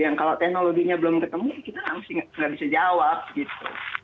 yang kalau teknologinya belum ketemu kita tidak bisa jawab gitu